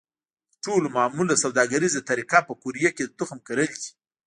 تر ټولو معموله سوداګریزه طریقه په قوریه کې د تخم کرل دي.